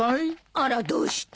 あらどうして？